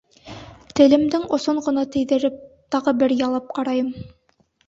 Телемдең осон ғына тейҙереп тағы бер ялап ҡарайым.